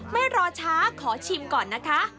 ไม่รอช้าขอชิมก่อนนะคะ